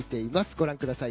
ご覧ください。